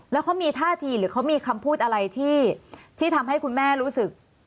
แล้วเขามีท่าทีหรือเขามีคำพูดอะไรที่ทำให้คุณแม่รู้สึก